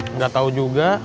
nggak tau juga